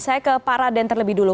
saya ke pak raden terlebih dulu